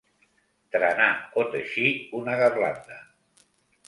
Trenar o teixir una garlanda.